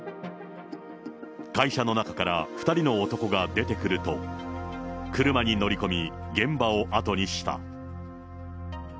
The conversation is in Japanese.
会社の中から２人の男が出てくると、車に乗り込み、現場を後にした。